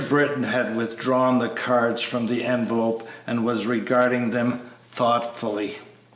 Britton had withdrawn the cards from the envelope and was regarding them thoughtfully.